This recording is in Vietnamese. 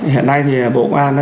hiện nay thì bộ công an